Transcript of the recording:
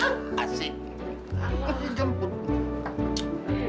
apaan sih jemput